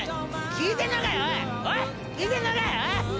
聞いてんのかいおい！